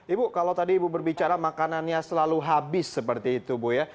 ibu kalau tadi ibu berbicara makanannya selalu habis seperti itu bu ya